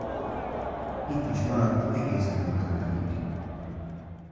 Itt is maradt egészen haláláig.